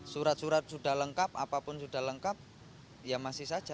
surat surat sudah lengkap apapun sudah lengkap ya masih saja